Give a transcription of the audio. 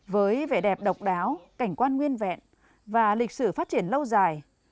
với vẻ đẹp độc đáo cảnh quan nguyên vẹn và lịch sử phát triển lâu dài